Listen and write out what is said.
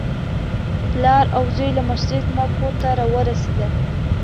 پلار او زوی له مسجد نه کور ته راورسېدل.